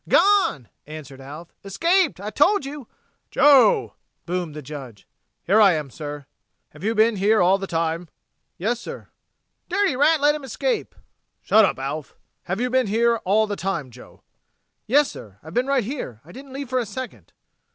"Gone!" answered Alf. "Escaped! I told you...." "Joe!" boomed the Judge. "Here I am, sir." "Have you been here all the time?" "Yes, sir." "The dirty rat let him escape...." "Shut up, Alf! Have you been here all the time, Joe?" "Yes, sir. I've been right here, sir. I didn't leave for a second."